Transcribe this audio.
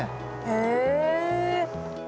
へえ。